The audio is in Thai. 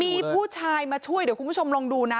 มีผู้ชายมาช่วยเดี๋ยวคุณผู้ชมลองดูนะ